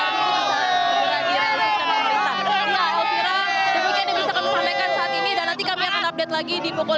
nah alvira demikian yang bisa kami sampaikan saat ini dan nanti kami akan update lagi di pukul lima belas tiga puluh lima